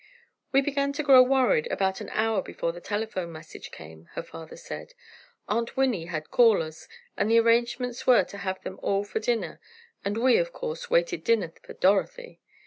"We began to grow worried about an hour before the telephone message came," her father said, "Aunt Winnie had callers, and the arrangements were to have them all for dinner and we, of course, waited dinner for Dorothy."